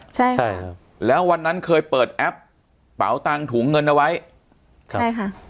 ใช่ใช่ครับแล้ววันนั้นเคยเปิดแอปเป๋าตังถุงเงินเอาไว้ใช่ค่ะ